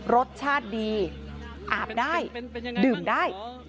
รสชาติดีอาบได้ดื่มได้